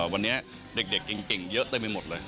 วันนี้เด็กเก่งเยอะเต็มไปหมดเลย